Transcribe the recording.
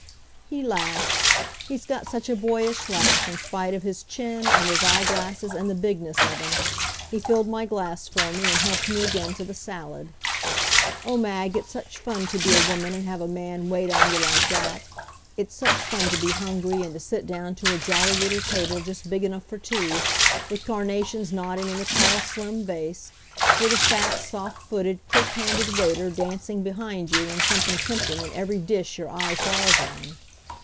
He laughed. He's got such a boyish laugh in spite of his chin and his eye glasses and the bigness of him. He filled my glass for me and helped me again to the salad. Oh, Mag, it's such fun to be a woman and have a man wait on you like that! It's such fun to be hungry and to sit down to a jolly little table just big enough for two, with carnations nodding in the tall slim vase, with a fat, soft footed, quick handed waiter dancing behind you, and something tempting in every dish your eye falls on.